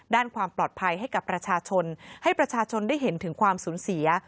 ด้านความปลอดภัยให้กับประชาชนให้ประชาชนได้เห็นถึงความสูญเสีย